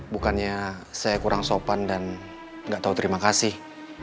bukannya saya kurang sopan dan gak tau terima kasih